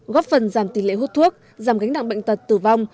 góp phần giảm tỷ lệ hút thuốc giảm gánh nặng bệnh tật tử vong